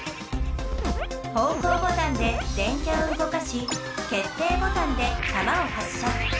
方向ボタンで電キャをうごかし決定ボタンでたまを発射。